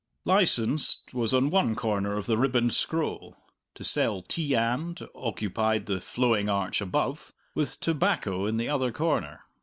"Licens'd" was on one corner of the ribboned scroll, "To Sell Tea &" occupied the flowing arch above, with "Tobacco" in the other corner.